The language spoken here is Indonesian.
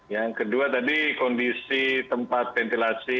yang kedua tadi kondisi tempat ventilasi